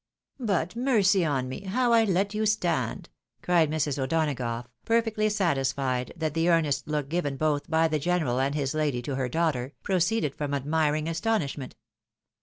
" But mercy on me ! how I let you stand !" cried Mrs. O'Donagough, perfectly satisfied that the earnest look given both by the general and his lady to her daughter, proceeded from admiring astonishment.